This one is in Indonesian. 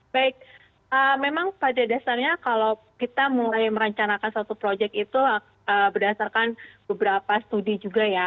baik memang pada dasarnya kalau kita mulai merencanakan satu proyek itu berdasarkan beberapa studi juga ya